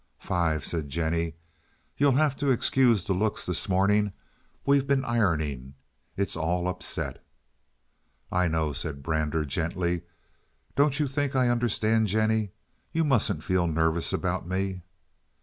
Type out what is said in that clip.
"Five," said Jennie. "You'll have to excuse the looks this morning. We've been ironing, and it's all upset." "I know," said Brander, gently. "Don't you think I understand, Jennie? You mustn't feel nervous about me."